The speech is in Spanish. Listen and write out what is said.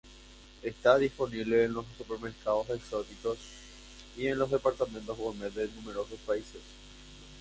Está disponible en los supermercados exóticos y en los departamentos gourmet de numerosos países.